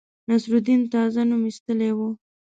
نصرالدین تازه نوم ایستلی وو.